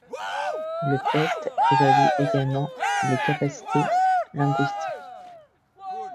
Le test évalue également les capacités linguistiques.